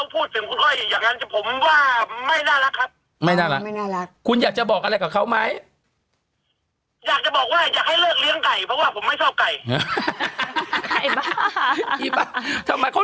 เขาพูดถึงคุณก้อยอย่างนั้นผมว่าไม่น่ารักครับ